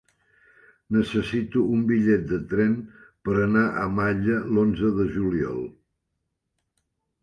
Necessito un bitllet de tren per anar a Malla l'onze de juliol.